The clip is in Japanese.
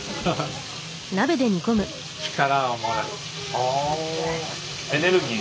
あエネルギー？